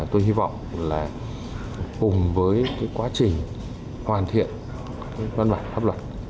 tôi hy vọng là cùng với quá trình hoàn thiện văn bản tháp luật